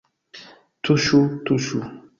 Tuŝu, tuŝu